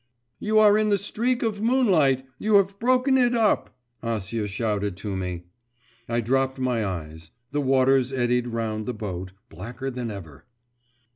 'You are in the streak of moonlight, you have broken it up,' Acia shouted to me. I dropped my eyes; the waters eddied round the boat, blacker than ever.